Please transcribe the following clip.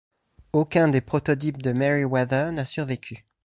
Aucun des prototypes de Merryweather n'a survécu.